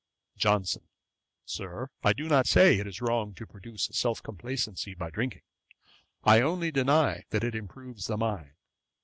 JOHNSON. 'Sir, I do not say it is wrong to produce self complacency by drinking; I only deny that it improves the mind.